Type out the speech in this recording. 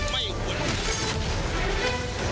ไม่ควร